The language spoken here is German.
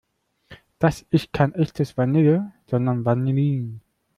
Das ist kein echtes Vanille, sondern Vanillin.